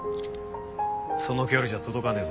その距離じゃ届かねえぞ。